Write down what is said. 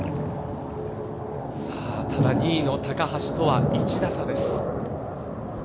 ただ２位の高橋とは１打差です。